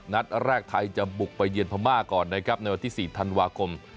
นัดแรกไทยจะบุกไปเย็นพามาก่อนในวันที่๔ธันวาคม